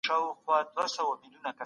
په ملي ټاکنو کي برخه اخيستل ملي وجيبه ده.